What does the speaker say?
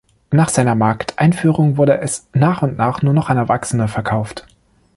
Nach seiner Markteinführung wurde es nach und nach nur noch an Erwachsene verkauft.